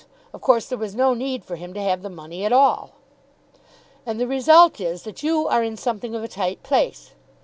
Of course there was no need for him to have the money at all." "And the result is that you are in something of a tight place.